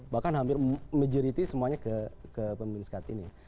bahkan hampir majoriti semuanya ke pemilu sekat ini